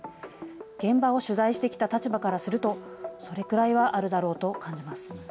現場を取材してきた立場からすると、それくらいはあるだろうと感じます。